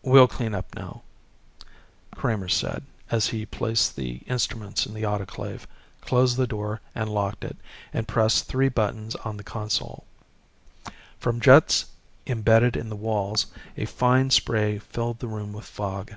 "We'll clean up now," Kramer said as he placed the instruments in the autoclave, closed the door and locked it, and pressed three buttons on the console. From jets embedded in the walls a fine spray filled the room with fog.